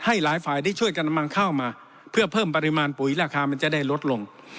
หลายฝ่ายได้ช่วยกันนำเข้ามาเพื่อเพิ่มปริมาณปุ๋ยราคามันจะได้ลดลง